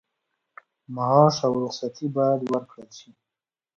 معاش او رخصتي باید ورکړل شي.